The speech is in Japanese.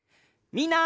みんな。